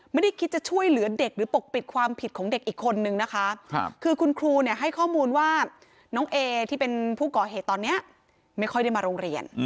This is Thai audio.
ไม่ได้คิดจะช่วยเหลือเด็กหรือปกปิดความผิดของเด็กอีกคนนึงนะคะคือคุณครูเนี่ยให้ข้อมูลว่าน้องเอที่เป็นผู้ก่อเหตุตอนนี้ไม่ค่อยได้มาโรงเรียน